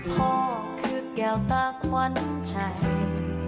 พ่อคือแก้วตาขวัญใจ